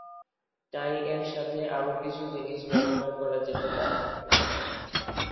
টাই এর সাথে আরও কিছু জিনিস ব্যবহার করা যেতে পারে।